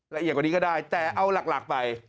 ละเอียดกว่านี้ก็ได้แต่เอาหลักไป